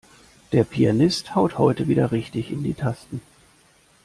Der Pianist haut heute wieder richtig in die Tasten.